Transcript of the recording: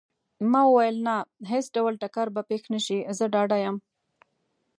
ما وویل: نه، هیڅ ډول ټکر به پېښ نه شي، زه ډاډه یم.